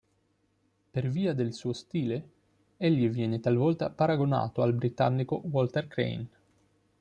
Per via del suo stile egli viene talvolta paragonato al britannico Walter Crane.